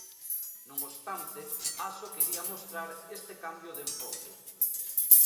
Non obstante, Aso quería mostrar este cambio de enfoque.